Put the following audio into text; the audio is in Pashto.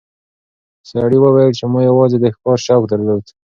سړي وویل چې ما یوازې د ښکار شوق درلود.